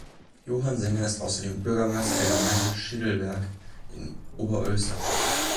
Johann Singer ist außerdem Bürgermeister der Gemeinde Schiedlberg in Oberösterreich.